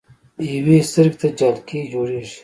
يوې سترګې ته جالکي جوړيږي